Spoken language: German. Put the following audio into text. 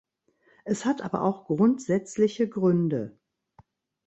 Es hat aber auch grundsätzliche Gründe.